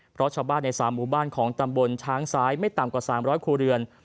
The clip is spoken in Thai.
เพราะชาวบ้านใน๓หมู่บ้านของตำบลช้างซ้ายไม่ต่ำกว่า๓๐๐ครัวเรือน